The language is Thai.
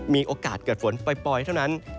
มีโอกาสเกิดฝนปล่อยเท่านั้น